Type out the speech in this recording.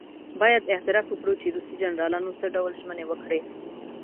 باید اعتراف وکړو چې روسي جنرالانو څه ډول ژمنې وکړې.